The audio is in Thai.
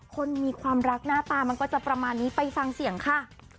คนมีความรักหน้าตามันก็จะประมาณนี้ไปฟังเสียงค่ะ